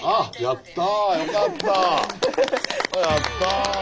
やった。